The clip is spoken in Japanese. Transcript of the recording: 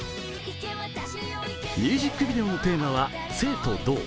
ミュージックビデオのテーマは「静と動」。